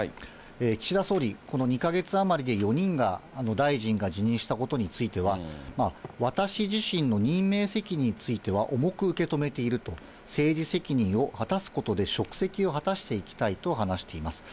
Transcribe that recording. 岸田総理、この２か月余りで４人が、大臣が辞任したことについては、私自身の任命責任については重く受け止めていると、政治責任を果たすことで職責を果たしていきたいと話しています。